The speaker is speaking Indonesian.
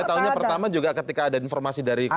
anda tahunya pertama juga ketika ada informasi dari mas ibu